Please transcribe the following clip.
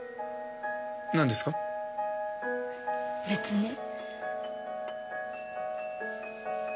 別に。